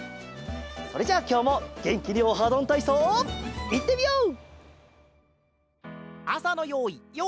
それじゃあきょうもげんきに「オハどんたいそう」いってみよう！